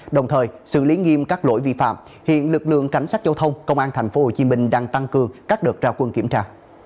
đồng thời xử lý nghiêm các lỗi vi phạm hiện lực lượng cảnh sát giao thông công an tp hcm đang tăng cường các đợt trao quân kiểm tra